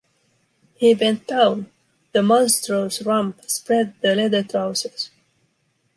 He bent down: the monstrous rump spread the leather trousers.